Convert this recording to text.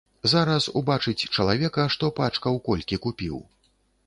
Зараз убачыць чалавека, што пачкаў колькі купіў.